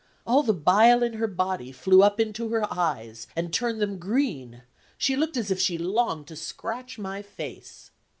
All the bile in her body flew up into her eyes, and turned them green; she looked as if she longed to scratch my face.